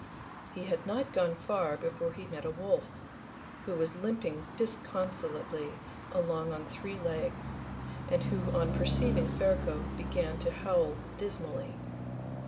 He had not gone far before he met a wolf, who was limping disconsolately along on three legs, and who on perceiving Ferko began to howl dismally.